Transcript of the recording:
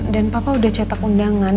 dan papa udah cetak undangan